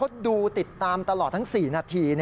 เขาดูติดตามตลอดทั้ง๔นาที